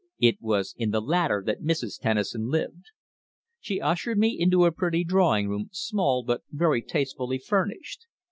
It was in the latter that Mrs. Tennison lived. She ushered me into a pretty drawing room, small, but very tastefully furnished.